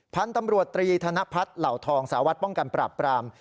พันธุ์ตำรวจตรีธนพัฒน์เหล่าทองสารวัตรป้องกันปราบปราม